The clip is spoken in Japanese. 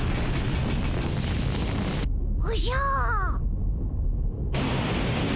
おじゃ。